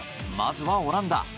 まずは、オランダ。